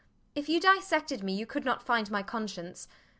If you dissected me you could not find my conscience.